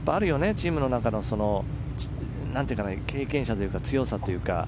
チームの中で経験者とか強さというか。